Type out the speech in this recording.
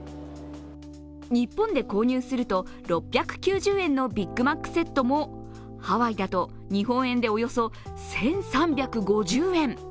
日本で購入すると６９０円のビッグマックセットもハワイだと、日本円でおよそ１３５０円。